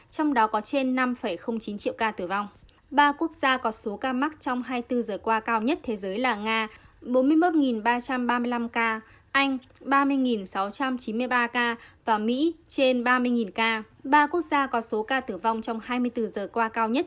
trong đó có trên năm chín triệu ca tử vong ba quốc gia có số ca mắc trong hai mươi bốn giờ qua cao nhất